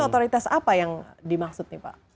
otoritas apa yang dimaksud nih pak